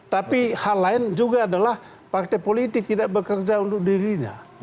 tapi hal lain juga adalah partai politik tidak bekerja untuk dirinya